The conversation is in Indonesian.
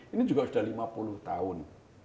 ini juga sudah lima puluh tahun